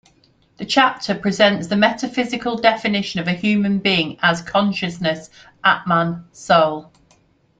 The chapter presents the metaphysical definition of a human being as Consciousness, Atman, Soul.